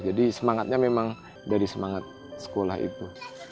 jadi semangatnya memang dari semangat sekolah itu